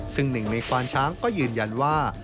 ซึ่งหนึ่งในควานช้างก็ยืนยันว่า